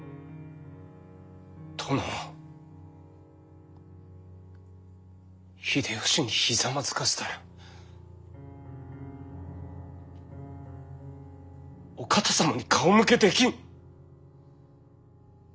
殿を秀吉にひざまずかせたらお方様に顔向けできん！